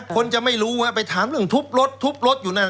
คนจะไม่รู้ว่าไปถามเรื่องทุบรถทุบรถอยู่นั่น